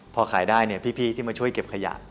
พอขายได้เนี่ยพี่ที่มาช่วยเก็บขยะ